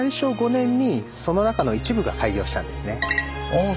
ああ